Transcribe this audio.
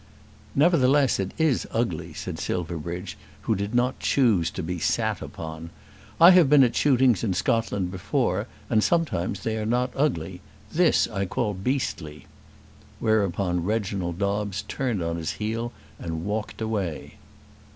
"Nevertheless, it is ugly," said Silverbridge, who did not choose to be "sat upon." "I have been at shootings in Scotland before, and sometimes they are not ugly. This I call beastly." Whereupon Reginald Dobbes turned upon his heel and walked away.